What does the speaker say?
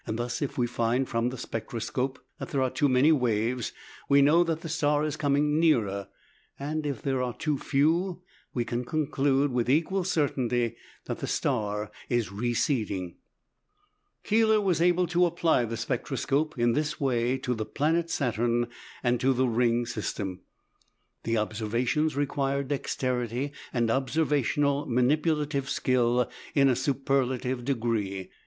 Thus if we find from the spectroscope that there are too many waves, we know that the star is coming nearer; and if there are too few, we can conclude with equal certainty that the star is receding. Keeler was able to apply the spectroscope in this way to the planet Saturn and to the ring system. The observations required dexterity and observational manipulative skill in a superlative degree.